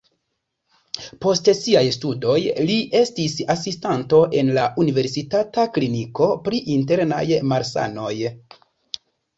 Post siaj studoj li estis asistanto en la universitata kliniko pri internaj malsanoj.